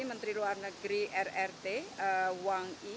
menteri luar negeri rrt wang i